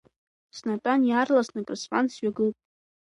Снатәан иаарласны крысфан, сҩагылт.